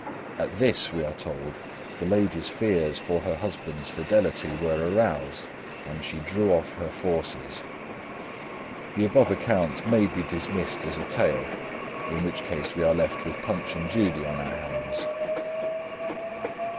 At this, we are told, the lady's fears for her husband's fidelity were aroused, and she drew off her forces. The above account may be dismissed as a tale, in which case we are left with Punch and Judy on our hands.